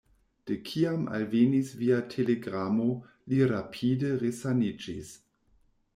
De kiam alvenis via telegramo, li rapide resaniĝis.